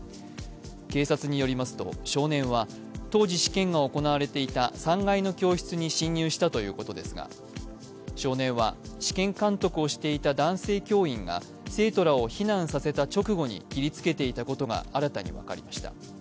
警察によりますと少年は当時、試験が行われていた３階の教室に侵入したということですが、少年は試験監督をしていた男性教員が生徒らを避難させた直後に切りつけていたことが新たに分かりました。